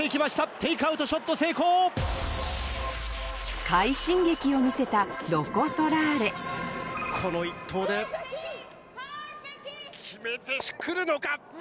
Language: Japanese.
テイクアウトショット成功！を見せたロコ・ソラーレこの一投で決めて来るのか。